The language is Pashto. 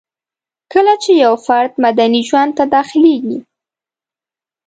کله چي يو فرد مدني ژوند ته داخليږي